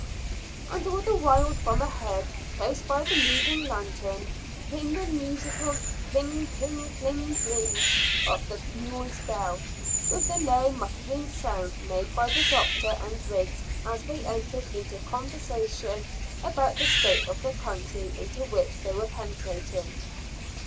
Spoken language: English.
And all the while from ahead, close by the moving lanthorn, came the musical cling, cling, cling, cling of the mules' bell, with the low muttering sound made by the doctor and Griggs as they entered into a conversation about the state of the country into which they were penetrating.